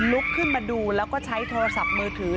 ลุกขึ้นมาดูแล้วก็ใช้โทรศัพท์มือถือ